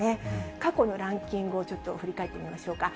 過去のランキングをちょっと振り返ってみましょうか。